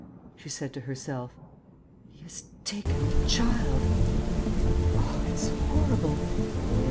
she said to herself. "He has taken the child.... Oh, it's horrible!"